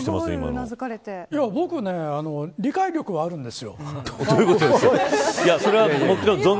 僕は理解力はあるんです。